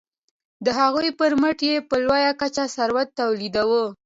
د هغوی پرمټ یې په لویه کچه ثروت تولیداوه.